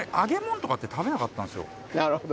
なるほど。